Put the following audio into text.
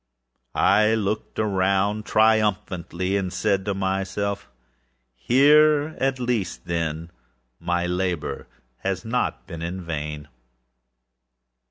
I looked around triumphantly, and said to myself: âHere at least, then, my labor has not been in vain.